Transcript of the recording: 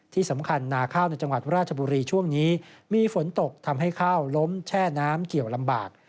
ที่สำคัญนาข้าวในจังหวัดราชบุรีช่วงนี้มีฝนตกทำให้ข้าวล้มแช่น้ำเกี่ยวลำบาก